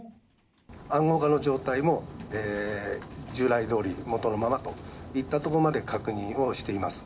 暗号化の状態も従来どおり、元のままといったところまで確認をしています。